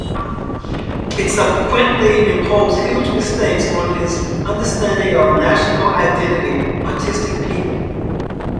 It subsequently impose huge mistakes on his understanding of national identity artistic people.